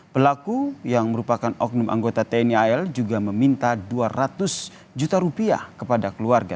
pelaku yang merupakan oknum anggota tni al juga meminta dua ratus juta rupiah kepada keluarga